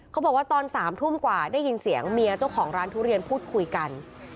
บอกว่าตอน๓ทุ่มกว่าได้ยินเสียงเมียเจ้าของร้านทุเรียนพูดคุยกัน